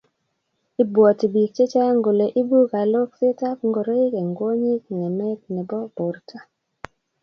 ibwoti biik chechang kole ibuu kaloksetab ngoroik eng kwonyik ng'emet nebo borto